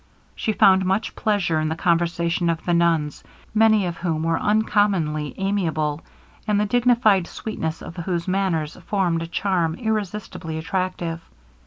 She found much pleasure in the conversation of the nuns, many of whom were uncommonly amiable, and the dignified sweetness of whose manners formed a charm irresistibly attractive.